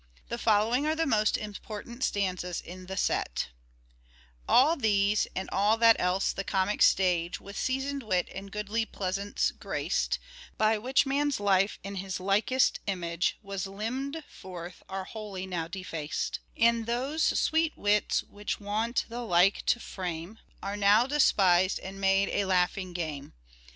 The following are the most important stanzas in the set :—" All these, and all that else the Comic Stage, With seasoned wit and goodly pleasance graced, By which man's life in his likest image Was limned forth, are wholly now defaced ; And those sweet wits which wont the like to frame Are now despised and made a laughing game.